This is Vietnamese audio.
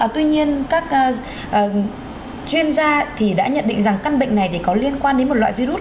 tuy nhiên các chuyên gia thì đã nhận định rằng căn bệnh này có liên quan đến một loại virus